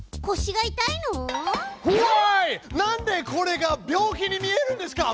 なんでこれが病気に見えるんですか？